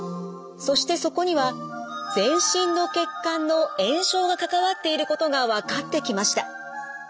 そしてそこには全身の血管の炎症が関わっていることが分かってきました。